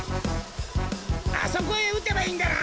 あそこへ打てばいいんだな？